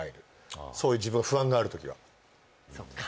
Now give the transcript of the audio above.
あそういう自分は不安がある時はそこもね